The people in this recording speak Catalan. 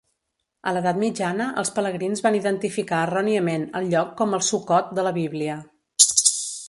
A l'edat mitjana, els pelegrins van identificar erròniament el lloc com el Sukkot de la Bíblia.